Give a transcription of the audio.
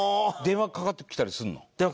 電話かかってきたりします。